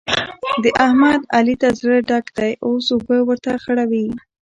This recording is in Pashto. د احمد؛ علي ته زړه ډک دی اوس اوبه ورته خړوي.